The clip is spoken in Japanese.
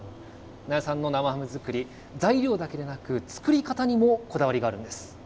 那谷さんの生ハム作り、材料だけでなく、作り方にもこだわりがあるんです。